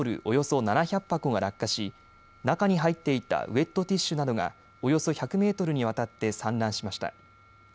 およそ７００箱が落下し中に入っていたウエットティッシュなどがおよそ１００メートルにわたって散乱しました。